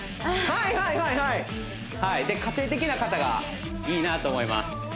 はいはいはいで家庭的な方がいいなと思います